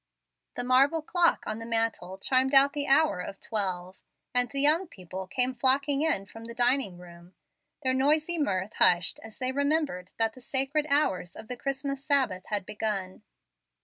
The marble clock on the mantel chimed out the hour of twelve, and the young people came flocking in from the dining room, their noisy mirth hushed as they remembered that the sacred hours of the Christmas Sabbath had begun.